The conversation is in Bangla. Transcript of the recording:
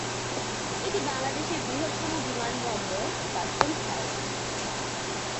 এটি বাংলাদেশের বৃহত্তম বিমানবন্দর কাস্টমস হাউজ।